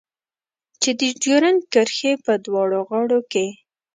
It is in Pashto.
چې د ډيورنډ کرښې په دواړو غاړو کې.